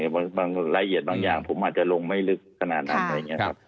บ้างละเอียดบางอย่างผมอาจจะลงไม่ลึกขนาดนั้น